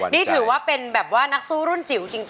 นี่ถือว่าเป็นแบบว่านักสู้รุ่นจิ๋วจริง